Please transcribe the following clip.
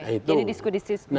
jadi diskusi diskusi biasanya